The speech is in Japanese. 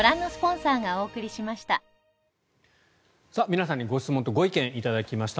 皆さんにご質問とご意見頂きました。